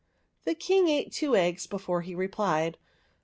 The King ate two eggs before he replied.